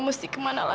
mesti kemana lah